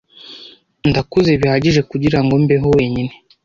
Ndakuze bihagije kugirango mbeho wenyine.